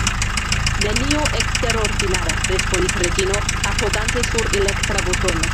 Nenio eksterordinara, respondis Reĝino, apogante sur elektra butono.